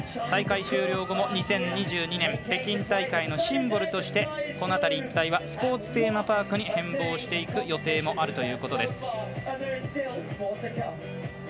大会終了後も２０２２年北京大会のシンボルとしてこの辺り一帯はスポーツテーマパークに変貌する予定もあるということです。